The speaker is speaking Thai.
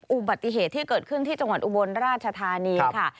อุบัติเหตุที่เกิดขึ้นที่จังหวัดอุบลราชธานีค่ะ